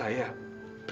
saudara yang ada di dasar